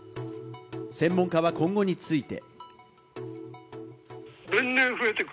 専門家は今後について。